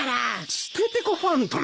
ステテコファンとな。